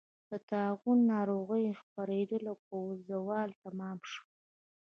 د طاعون ناروغۍ خپرېدل په زوال تمام شو.